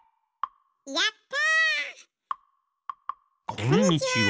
こんにちは！